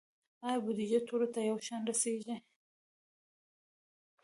آیا بودیجه ټولو ته یو شان رسیږي؟